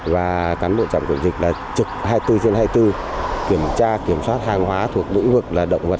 và cán bộ trạm kiểm dịch là trực hai mươi bốn trên hai mươi bốn kiểm tra kiểm soát hàng hóa thuộc lĩnh vực là động vật